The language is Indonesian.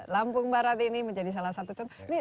lampung barat ini menjadi salah satu contoh